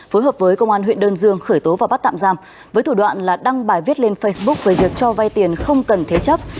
phối hợp với công an huyện đơn dương khởi tố và bắt tạm giam với thủ đoạn là đăng bài viết lên facebook về việc cho vay tiền không cần thế chấp